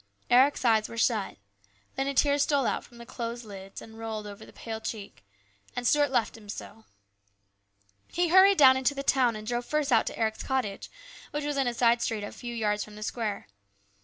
Eric's eyes were shut Then a tear stole out from the closed lids and rolled over the pale cheek, and Stuart left him so. He hurried down into the town and drove first out to Eric's cottage, which was in a side street a few yards from the square.